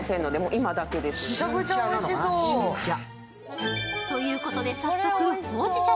今だけです。ということで早速ほうじ茶